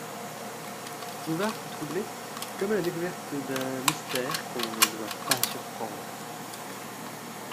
Bouvard fut troublé comme à la découverte d'un mystère, qu'on ne doit pas surprendre.